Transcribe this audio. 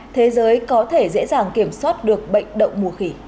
thế giới có thể dễ dàng kiểm soát được bệnh đậu mùa khỉ